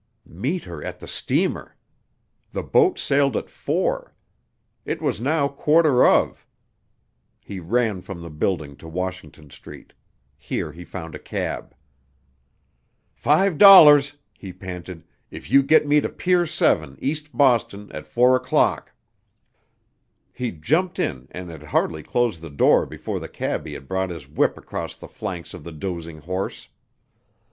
Meet her at the steamer! The boat sailed at four. It was now quarter of. He ran from the building to Washington street. Here he found a cab. "Five dollars," he panted, "if you get me to Pier 7, East Boston, at four o'clock." He jumped in and had hardly closed the door before the cabby had brought his whip across the flanks of the dozing horse.